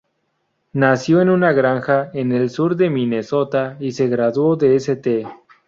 Nación en una granja en el sur de Minesota y se graduó de St.